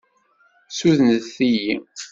Ssudnet-iyi.